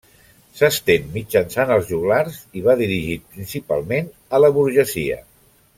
S'estén mitjançant els joglars i va dirigit principalment a la burgesia.